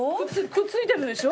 くっついてるでしょ？